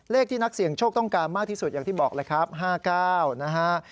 เลขที่นักเสี่ยงโชคต้องการมากที่สุดอย่างที่บอกเลยครับ๕๙นะฮะ